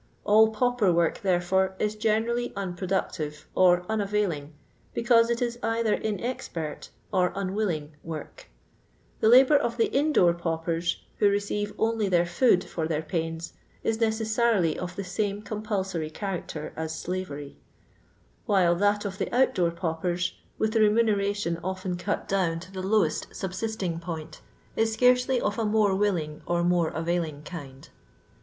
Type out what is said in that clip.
All pauper work, therefore, is generally unproductive or unavail ing, because it is either inexpert or unwilling woric The labour of the in door paupers, who re ceive only their food for their pains, is necessarily of the same compulsory character as slavery; while that of the outdoor paupers, with the re muneration often cut down to the lowest subsist* ing point, ia Karesly of a more willing or more availing kind.